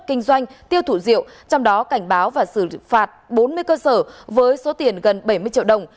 kinh doanh tiêu thụ rượu trong đó cảnh báo và xử phạt bốn mươi cơ sở với số tiền gần bảy mươi triệu đồng